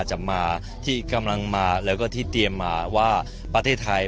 ก็คิดว่าหลายประเภทอยู่ในไทย